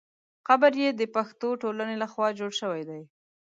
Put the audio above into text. قبر یې د پښتو ټولنې له خوا جوړ شوی دی.